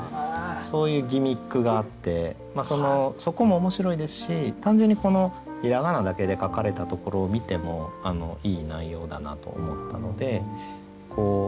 そういうギミックがあってそこも面白いですし単純にこのひらがなだけで書かれたところを見てもいい内容だなと思ったので。